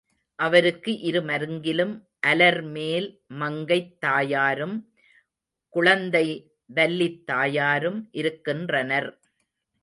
அவருக்கு இரு மருங்கிலும் அலர்மேல் மங்கைத் தாயாரும், குளந்தை வல்லித் தாயாரும் இருக்கின்றனர்.